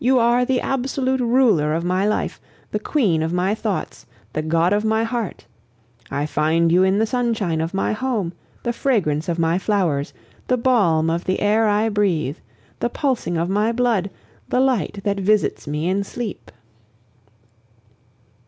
You are the absolute ruler of my life, the queen of my thoughts, the god of my heart; I find you in the sunshine of my home, the fragrance of my flowers, the balm of the air I breathe, the pulsing of my blood, the light that visits me in sleep.